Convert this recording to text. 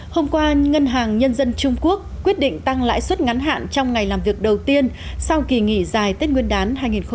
hôm qua ngân hàng nhân dân trung quốc quyết định tăng lãi suất ngắn hạn trong ngày làm việc đầu tiên sau kỳ nghỉ dài tết nguyên đán hai nghìn hai mươi